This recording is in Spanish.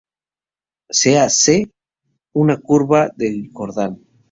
Sea "C" una curva de Jordan.